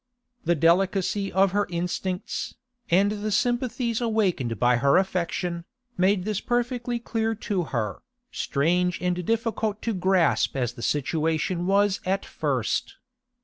The delicacy of her instincts, and the sympathies awakened by her affection, made this perfectly clear to her, strange and difficult to grasp as the situation was at first.